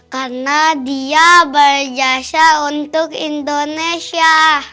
karena dia berjasa untuk indonesia